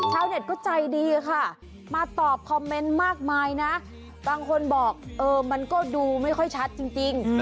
เน็ตก็ใจดีค่ะมาตอบคอมเมนต์มากมายนะบางคนบอกเออมันก็ดูไม่ค่อยชัดจริง